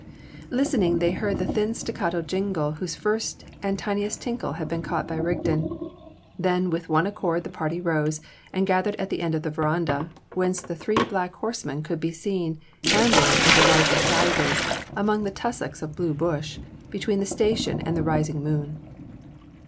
Listening, they heard the thin staccato jingle whose first and tiniest tinkle had been caught by Rigden; then with one accord the party rose, and gathered at the end of the verandah, whence the three black horsemen could be seen ambling into larger sizes, among the tussocks of blue bush, between the station and the rising moon.